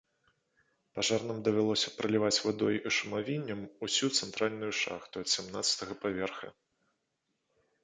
Пажарным давялося праліваць вадой і шумавіннем усю цэнтральную шахту ад сямнаццатага паверха.